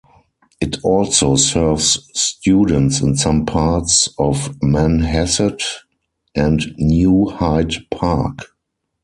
It also serves students in some parts of Manhasset and New Hyde Park.